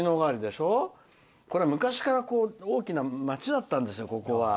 これ昔から大きな町だったんですよ。